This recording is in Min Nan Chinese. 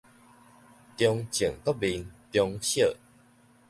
中正國民中小